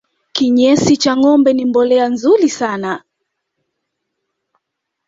kinyesi cha ngombe ni mbolea nzuri sana